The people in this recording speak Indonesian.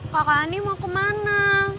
kakak ani mau kemana